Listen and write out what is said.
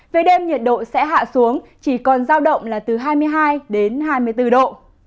về đêm nhiệt độ sẽ hạ xuống chỉ còn giao động là từ hai mươi hai đến hai mươi bốn độ